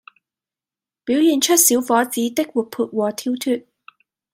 表現出小伙子的活潑和跳脫